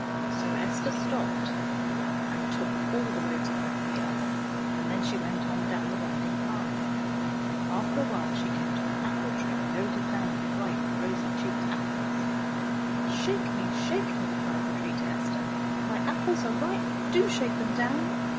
" So Esther stopped and took all the loaves of bread from the oven, and then she went on down the winding path. After awhile she came to an apple tree, loaded down with ripe, rosy cheeked apples. " Shake me! Shake me! " cried the tree to Esther. " My apples are ripe. Do shake them down